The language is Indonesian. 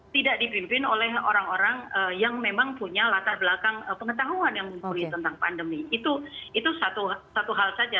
tidak salah tentu saja